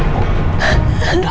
bapak ada bu